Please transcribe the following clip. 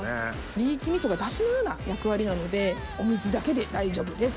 リーキ味噌がダシのような役割なのでお水だけで大丈夫です。